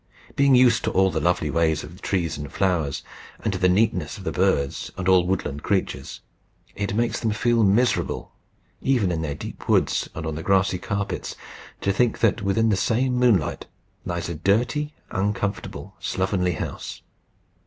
Being used to all the lovely ways of the trees and flowers, and to the neatness of the birds and all woodland creatures, it makes them feel miserable, even in their deep woods and on their grassy carpets, to think that within the same moonlight lies a dirty, uncomfortable, slovenly house.